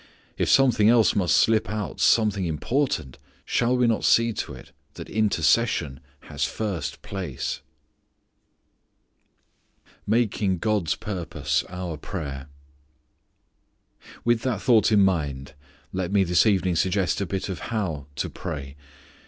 If something else must slip out, something important, shall we not see to it that intercession has first place! Making God's Purpose Our Prayer. With that thought in mind let me this evening suggest a bit of how to pray.